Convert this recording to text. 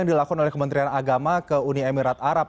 yang dilakukan oleh kementerian agama ke uni emirat arab